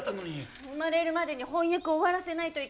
生まれるまでに翻訳終わらせないといけないから。